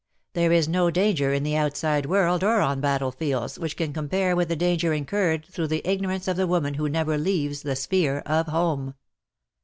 There is no danger in the outside world, or on battlefields, which can compare with the danger incurred through the ignorance of the woman who never leaves "the sphere of home."